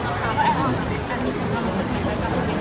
ช่องความหล่อของพี่ต้องการอันนี้นะครับ